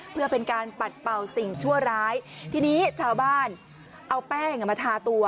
เพื่อเป็นการปัดเป่าสิ่งชั่วร้ายทีนี้ชาวบ้านเอาแป้งมาทาตัว